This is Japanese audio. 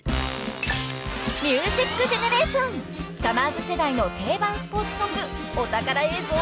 ［『ミュージックジェネレーション』さまぁず世代の定番スポーツソングお宝映像